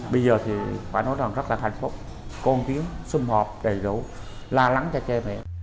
bây giờ thì phải nói rằng rất là thành phúc côn tiếng xung họp đầy đủ la lắng cho chơi mẹ